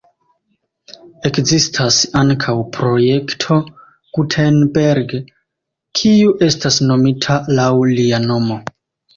Ekzistas ankaŭ Projekto Gutenberg, kiu estas nomita laŭ lia nomo.